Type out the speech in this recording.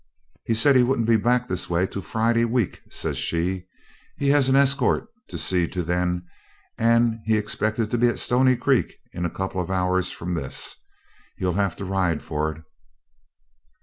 'He said he wouldn't be back this way till Friday week,' says she. 'He has an escort to see to then, and he expected to be at Stony Creek in a couple of hours from this. He'll have to ride for it.'